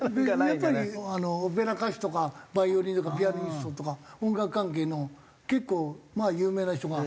やっぱりオペラ歌手とかバイオリンとかピアニストとか音楽関係の結構まあ有名な人が。